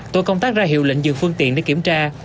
tổ công tác ra hiệu lệnh dừng phương tiện để kiểm tra